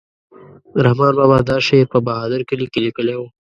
رحمان بابا دا شعر په بهادر کلي کې لیکلی و.